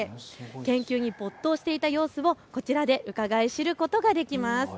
研究に没頭していた様子をこちらでうかがい知ることができます。